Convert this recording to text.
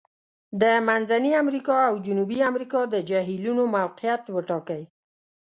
د منځني امریکا او جنوبي امریکا د جهیلونو موقعیت وټاکئ.